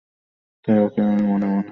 তাই ওকে মনে মনে অনেক বেশি ভাবতে হয়।